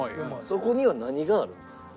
そこには何があるんですか？